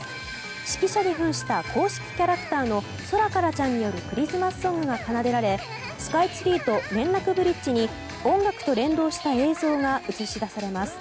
指揮者に扮した公式キャラクターのソラカラちゃんによるクリスマスソングが奏でられスカイツリーと連絡ブリッジに音楽と連動した映像が映し出されます。